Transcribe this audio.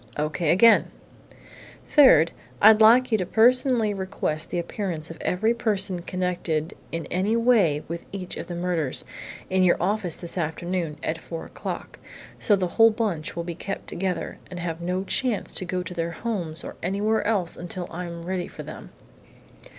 "O.K. again!" "Third, I'd like you personally to request the appearance of every person connected in any way with each of the murders, in your office this afternoon at four o'clock so the whole bunch will be kept together and have no chance to go to their homes or anywhere else until I am ready for them.